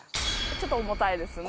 ちょっと重たいですね。